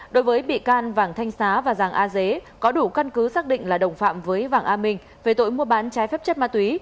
đối với bị can vàng thanh xá và giàng a dế có đủ căn cứ xác định là đồng phạm với vàng a minh về tội mua bán trái phép chất ma túy